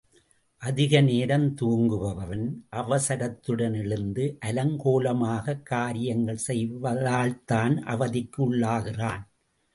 அதிக நேரம் தூங்குபவன், அவசரத்துடன் எழுந்து அலங்கோலமாக காரியங்கள் செய்வதால்தான் அவதிக்கு உள்ளாகிறான்.